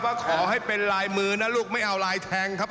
ว่าขอให้เป็นลายมือนะลูกไม่เอาลายแทงครับ